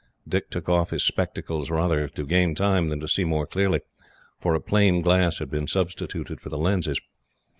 Dick took off his spectacles, rather to gain time than to see more clearly, for a plain glass had been substituted for the lenses.